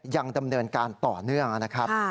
ยังดำเนินการต่อเนื่องนะครับ